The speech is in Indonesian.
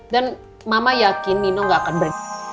dan mama yakin nino gak akan ber